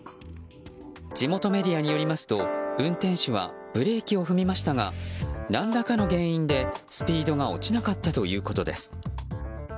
地元メディアによりますと運転手はブレーキを踏みましたが何らかの原因でスピードが落ちなかったということです。